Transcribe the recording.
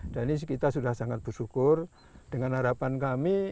dan ini kita sudah sangat bersyukur dengan harapan kami